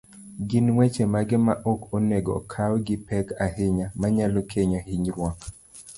gin weche mage ma ok onego okaw gi pek ahinya, manyalo kelo hinyruok